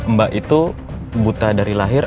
mbak itu buta dari lahir